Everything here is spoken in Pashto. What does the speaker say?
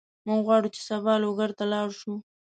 موږ غواړو چې سبا لوګر ته لاړ شو.